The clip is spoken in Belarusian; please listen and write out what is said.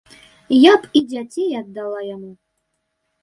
Я б і дзяцей аддала яму.